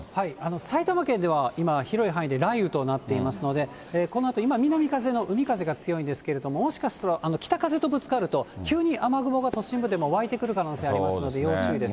埼玉県では今、広い範囲で雷雨となっていますので、このあと今、南風の海風が強いんですけど、もしかしたら北風とぶつかると、急に雨雲が都心部でも湧いてくる可能性ありますので要注意です。